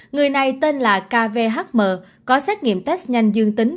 người này tên là kvhm có xét nghiệm test nhanh dương tính